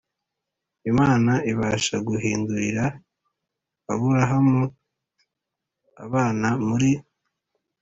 Imana ibasha guhindurira Aburahamu abana muri